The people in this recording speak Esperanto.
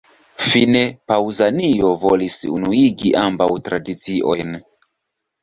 Fine, Paŭzanio volis unuigi ambaŭ tradiciojn.